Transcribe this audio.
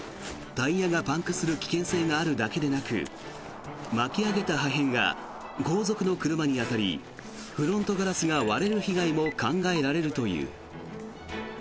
タイヤがパンクする危険性があるだけでなく巻き上げた破片が後続の車に当たりフロントガラスが割れる被害も考えられるという。